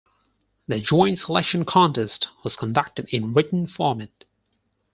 The Joint Selection Contest was conducted in written format.